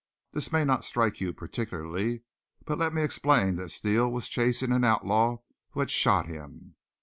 "This may not strike you particularly. But let me explain that Steele was chasing an outlaw who had shot him.